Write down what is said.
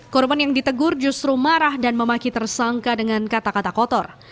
korban yang ditegur justru marah dan memaki tersangka dengan kata kata kotor